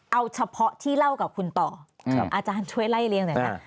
เอาเฉพาะที่เล่ากับคุณต่ออาจารย์ช่วยไล่เลี้ยหน่อยนะ